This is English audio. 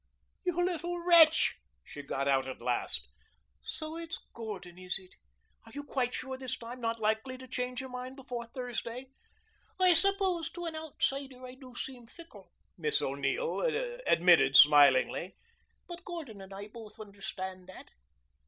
"You little wretch!" she got out at last. "So it's Gordon, is it? Are you quite sure this time? Not likely to change your mind before Thursday?" "I suppose, to an outsider, I do seem fickle," Miss O'Neill admitted smilingly. "But Gordon and I both understand that."